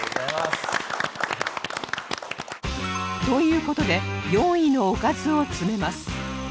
という事で４位のおかずを詰めます